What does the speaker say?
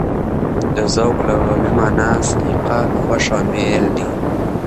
د ذوق لغوي مانا: سلیقه، خوښه او مېل ده.